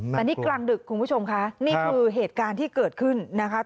แต่นี่กลางดึกคุณผู้ชมค่ะนี่คือเหตุการณ์ที่เกิดขึ้นนะคะ